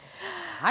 はい。